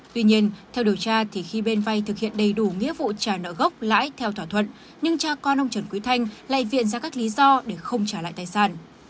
tuy nhiên theo điều tra thì khi bên vay thực hiện đầy đủ nghĩa vụ trả nợ gốc lãi theo thỏa thuận nhưng cha con ông trần quý thanh lại viện ra các lý do để không trả lại tài sản